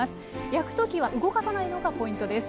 焼く時は動かさないのがポイントです。